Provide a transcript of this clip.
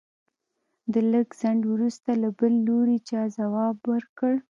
د لږ ځنډ وروسته له بل لوري چا ځواب ورکړ.